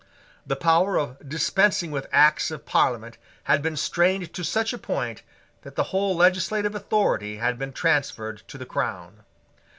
The power of dispensing with Acts of Parliament had been strained to such a point that the whole legislative authority had been transferred to the crown.